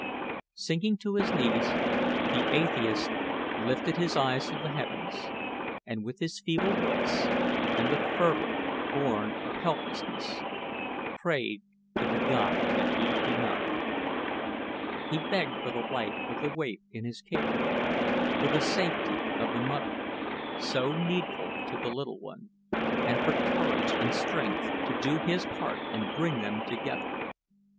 Sinking to his knees the atheist lifted his eyes to the heavens, and with his feeble voice and the fervor born of helplessness, prayed to the God that he denied. He begged for the life of the waif in his care for the safety of the mother, so needful to the little one and for courage and strength to do his part and bring them together.